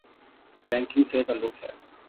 Banking سے تعلق ہے۔